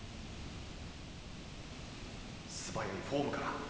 素早いフォームから。